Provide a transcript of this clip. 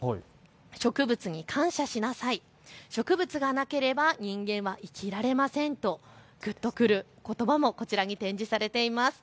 植物に感謝しなさい、植物がなければ人間は生きられませんと、ぐっとくることばもこちらに展示されています。